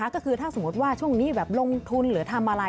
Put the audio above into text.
ก็คือถ้าสมมติว่าช่วงนี้แบบลงทุนหรือทำอะไร